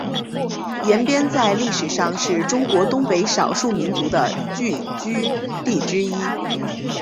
延边在历史上是中国东北少数民族的聚居地之一。